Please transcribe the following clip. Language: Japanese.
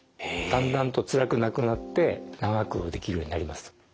だんだんとつらくなくなって長くできるようになります。